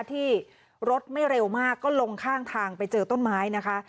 ที่รถไม่เร็วมากก็ลงข้างทางไปเจอต้นไม้นะคะ